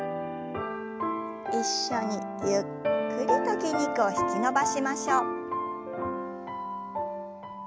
一緒にゆっくりと筋肉を引き伸ばしましょう。